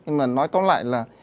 nhưng mà nói tóm lại là